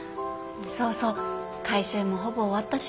そうそう回収もほぼ終わったし。